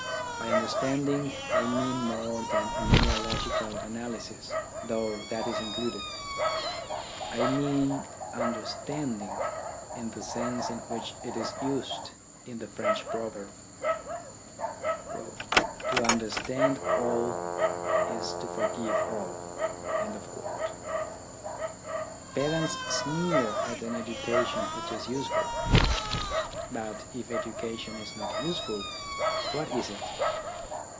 By under standing I mean more than a mere logical analysis, though that is included. I mean " understand ing " in the sense in which it is used in the French proverb, " To understand all, is to forgive all." Pedants sneer at an education which is useful. But if education is not useful, what is it